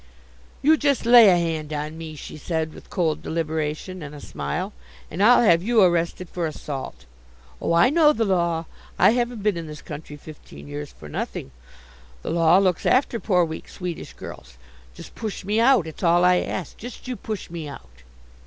"You just lay a hand on me," she said with cold deliberation, and a smile, "and I'll have you arrested for assault. Oh, I know the law. I haven't been in this country fifteen years for nothing. The law looks after poor weak, Swedish girls. Just push me out. It's all I ask. Just you push me out."